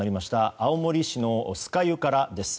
青森市の酸ヶ湯からです。